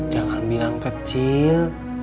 jangan bilang kecil